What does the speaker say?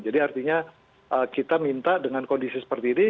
jadi artinya kita minta dengan kondisi seperti ini